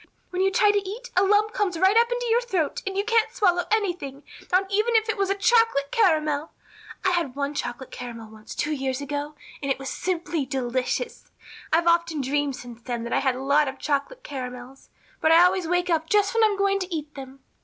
When you try to eat a lump comes right up in your throat and you can't swallow anything, not even if it was a chocolate caramel. I had one chocolate caramel once two years ago and it was simply delicious. I've often dreamed since then that I had a lot of chocolate caramels, but I always wake up just when I'm going to eat them.